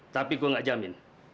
tapi gue gak jamin